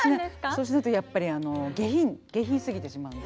そうしないとやっぱり下品すぎてしまうんで。